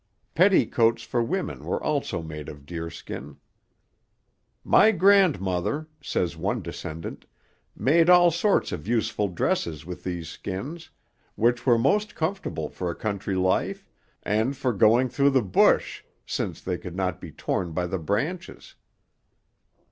Petticoats for women were also made of deer skin. 'My grandmother,' says one descendant, 'made all sorts of useful dresses with these skins, which were most comfortable for a country life, and for going through the bush [since they] could not be torn by the branches.'